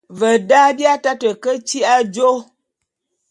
Ve da, bi ataté ke tyi'i ajô.